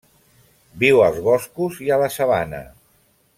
Viu als boscos i a la sabana.